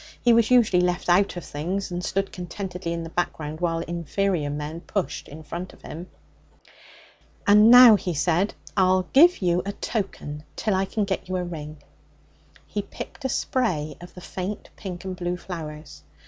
He was usually left out of things, and stood contentedly in the background while inferior men pushed in front of him. 'And now,' he said, 'I'll give you a token till I can get you a ring.' He picked a spray of the faint pink and blue flowers.